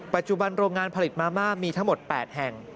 ปัจจุบันโรงงานผลิตมาม่ามีทั้งหมด๘แห่ง